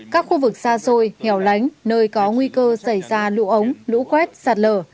các khu vực xa xôi hẻo lánh nơi có nguy cơ xảy ra lũ ống lũ quét sạt lở